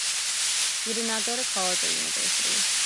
He did not go to college or university.